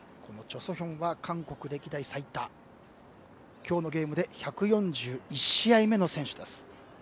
チョ・ソヒョンは韓国歴代最多今日のゲームで１４１試合目の選手です。